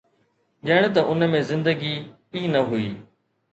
ڄڻ ته ان ۾ زندگي ئي نه هئي.